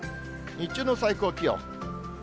日中の最高気温。